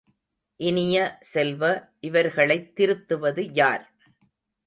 இனிய செல்வ, இவர்களைத் திருத்துவது யார்?